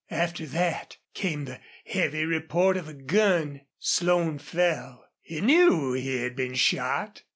After that came the heavy report of a gun. Slone fell. He knew he had been shot.